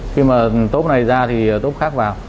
khi mà tốp này ra thì tốp khác vào